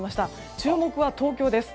注目は東京です。